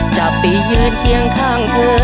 จะไปยืนเคียงข้างเธอ